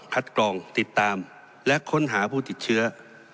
กรองติดตามและค้นหาผู้ติดเชื้อ